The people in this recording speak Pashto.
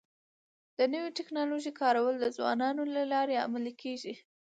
د نوي ټکنالوژۍ کارول د ځوانانو له لارې عملي کيږي.